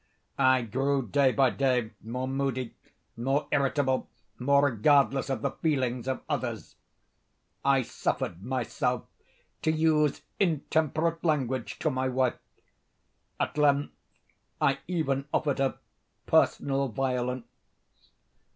I grew, day by day, more moody, more irritable, more regardless of the feelings of others. I suffered myself to use intemperate language to my wife. At length, I even offered her personal violence.